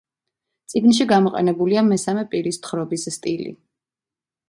წიგნში გამოყენებულია მესამე პირის თხრობის სტილი.